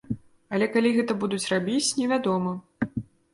Але калі гэта будуць рабіць, невядома.